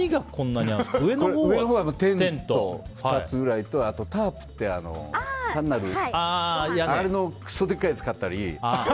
上のほうはテント２つぐらいとあと、タープってあれのくそでかいやつ買ったり。